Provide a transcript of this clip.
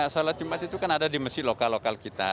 sholat jumat itu kan ada di masjid lokal lokal kita